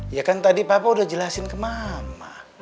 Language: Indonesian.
iya kan tadi papa udah jelasin ke mama